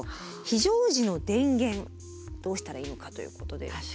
非常時の電源どうしたらいいのかということで。